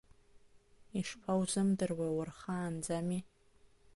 Ишԥаузымдыруеи, урхаанӡами?